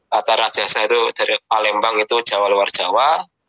kata rajasa itu dari palembang itu jawa luar jawa